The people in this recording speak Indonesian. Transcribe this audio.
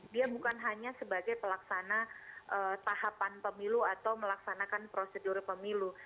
dia bukan hanya sebagai pelaksana tahapan pemilu atau melaksanakan prosedur pemilu